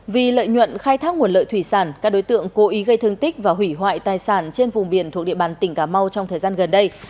vì lợi nhuận khai thác nguồn lợi thủy sản các đối tượng cố ý gây thương tích và hủy hoại tài sản trên vùng biển thuộc địa bàn tỉnh cà mau trong thời gian gần đây